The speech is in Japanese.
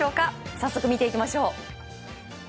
早速見ていきましょう。